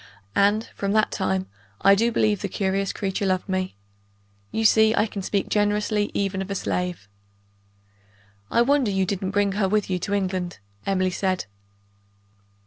and, from that time, I do believe the curious creature loved me. You see I can speak generously even of a slave!" "I wonder you didn't bring her with you to England," Emily said.